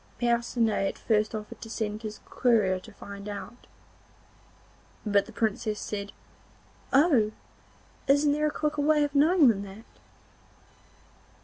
Percinet at first offered to send his courier to find out, but the Princess said: 'Oh! isn't there a quicker way of knowing than that?